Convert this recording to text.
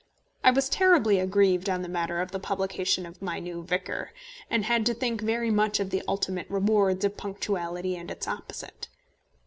I was terribly aggrieved on the matter of the publication of my new Vicar, and had to think very much of the ultimate rewards of punctuality and its opposite.